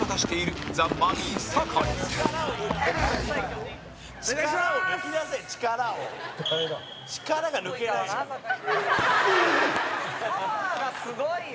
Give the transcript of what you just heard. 池田：パワーがすごいよ。